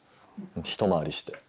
一回りして。